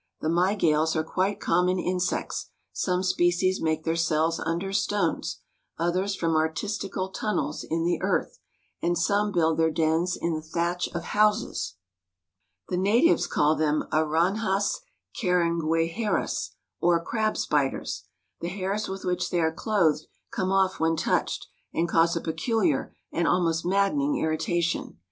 The Mygales are quite common insects: some species make their cells under stones, others form artistical tunnels in the earth, and some build their dens in the thatch of houses. The natives call them Aranhas carangueijeiras, or crab spiders. The hairs with which they are clothed come off when touched, and cause a peculiar and almost maddening irritation.